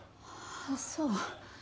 あっそう。